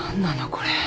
これ。